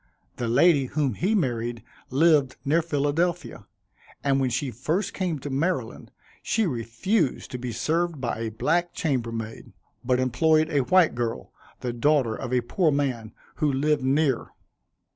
The lady whom he married lived near Philadelphia, and when she first came to Maryland, she refused to be served by a black chambermaid, but employed a white girl, the daughter of a poor man, who lived near.